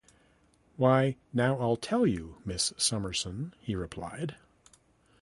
"Why, now I'll tell you, Miss Summerson," he replied.